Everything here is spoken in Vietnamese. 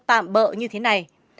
tạm bợ như thế này